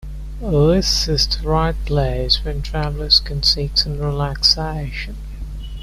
This is the right place when travelers can seek some relaxation.